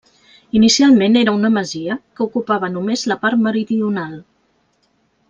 Inicialment era una masia que ocupava només la part meridional.